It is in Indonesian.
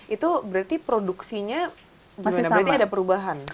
itu berarti produksinya masih berarti ada perubahan